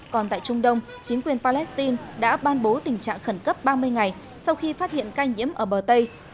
còn tại trung đông chính quyền palestine đã ban bố tình trạng khẩn cấp ba mươi ngày sau khi phát hiện ca nhiễm ở bờ tây